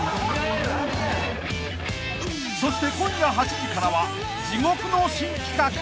［そして今夜８時からは地獄の新企画］